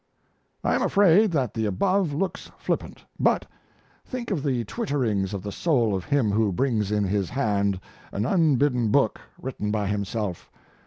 I am afraid that the above looks flippant but think of the twitterings of the soul of him who brings in his hand an unbidden book, written by himself.